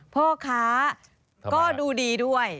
ผ้าคะก็ดูดีด้วย